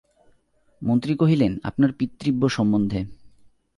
মন্ত্রী কহিলেন, আপনার পিতৃব্য সম্বন্ধে।